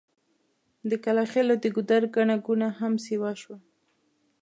د کلاخېلو د ګودر ګڼه ګوڼه هم سيوا شوه.